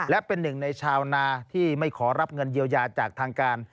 และเป็นหนึ่งในชาวนาที่ไม่ขอรับเงินเยียวยาจากทางการ